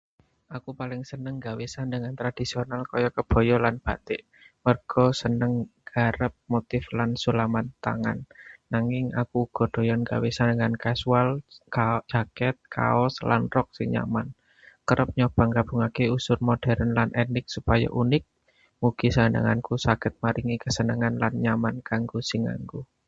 Aku paling seneng nggawe sandhangan tradhisional kaya kebaya lan batik, merga seneng nggarap motif lan sulaman tangan. Nanging aku uga doyan nggawe sandhangan casual—jaket, kaos, lan rok sing nyaman. Kerep nyoba nggabungke unsur modern lan etnik supaya unik. Mugi sandhanganku saged maringi kesenengan lan nyaman kanggo sing nganggo.